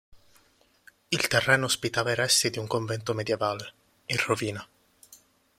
Il terreno ospitava i resti di un convento medievale, in rovina.